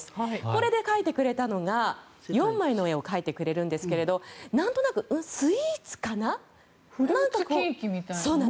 これで描いてくれたのが４枚の絵を描いてくれるんですがフルーツケーキみたいな。